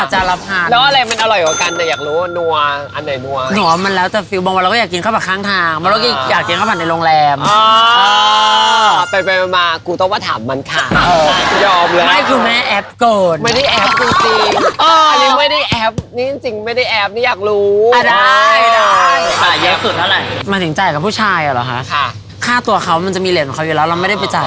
หนูเนี่ยแหละเป็นคนแรกในแก๊งเลยที่